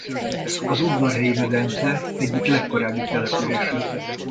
Az Udvarhelyi-medence egyik legkorábbi települése.